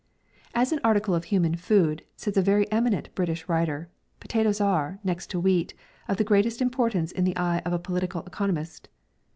" As an article of human food," says a very eminent British writer, " potatoes are, next to wheat, of the greatest importance in the eye of a political economist.